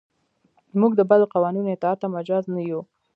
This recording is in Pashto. موږ د بدو قوانینو اطاعت ته مجاز نه یو.